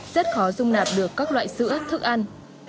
rất khó dung nạp được các loại sữa thức ăn